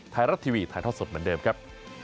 ไทยรัฐทีวีถ่ายทอดสดเหมือนเดิมครับ